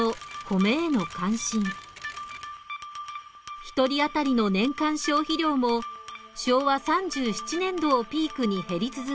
１人当たりの年間消費量も昭和３７年度をピークに減り続け